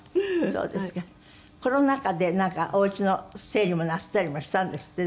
コロナ禍でなんかおうちの整理もなすったりもしたんですって？